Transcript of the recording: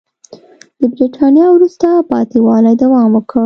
د برېټانیا وروسته پاتې والي دوام وکړ.